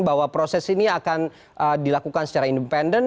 bahwa proses ini akan dilakukan secara independen